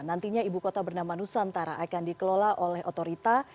nantinya ibu kota bernama nusantara akan dikelola oleh otorita